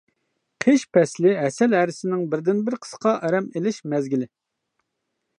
قىش پەسلى ھەسەل ھەرىسىنىڭ بىردىنبىر قىسقا ئارام ئېلىش مەزگىلى.